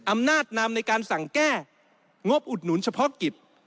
อำนาจนำในการสั่งแก้งบอุดหนุนเฉพาะกิจ